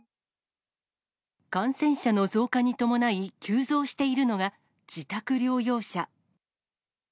感染者の増加に伴い、急増しているのが、自宅療養者。